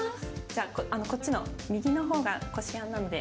じゃあこっちの右の方がこしあんなんで。